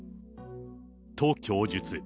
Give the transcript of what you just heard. と供述。